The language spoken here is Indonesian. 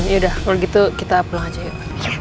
ya udah kalau gitu kita pulang aja gitu